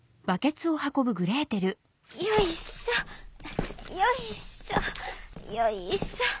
「よいしょよいしょよいしょ」。